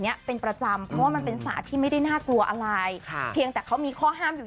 เนี้ยเป็นประจำเพราะว่ามันเป็นศาสตร์ที่ไม่ได้น่ากลัวอะไรค่ะเพียงแต่เขามีข้อห้ามอยู่